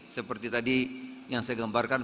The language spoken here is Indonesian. seperti tadi yang saya gambarkan